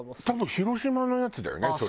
多分広島のやつだよね？